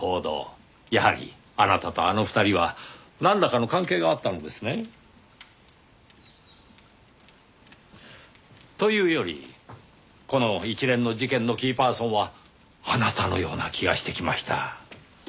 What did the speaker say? やはりあなたとあの２人はなんらかの関係があったのですね？というよりこの一連の事件のキーパーソンはあなたのような気がしてきました。